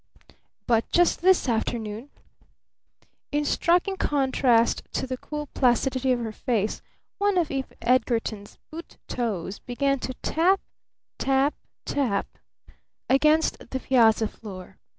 "But just this afternoon !" In striking contrast to the cool placidity of her face one of Eve Edgarton's boot toes began to tap tap tap against the piazza floor.